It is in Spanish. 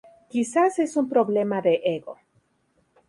Quizás es un problema de ego.